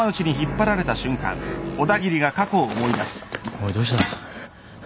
おいどうした？